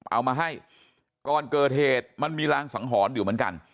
เอามาให้ก่อนเกิดเหตุมันมีรางสังหรณ์อยู่เหมือนกัน